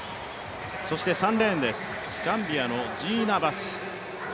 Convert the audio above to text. そして３レーンです、ザンビアのジーナ・バス。